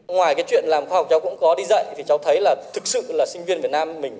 ngoài cái chuyện làm khoa học cháu cũng có đi dạy thì cháu thấy là thực sự là sinh viên việt nam mình